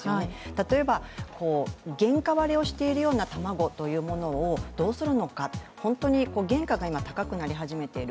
例えば原価割れをしているような卵というものをどうするのか、本当に原価が今高くなり始めている。